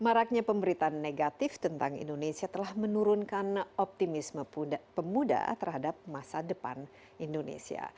maraknya pemberitaan negatif tentang indonesia telah menurunkan optimisme pemuda terhadap masa depan indonesia